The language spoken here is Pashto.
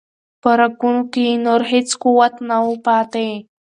په رګونو کې یې نور هیڅ قوت نه و پاتې.